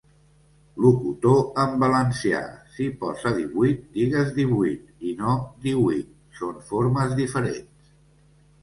Locutor en valencià, si posa 'divuit' digues 'divuit' i no 'díhuit'. Són formes diferents.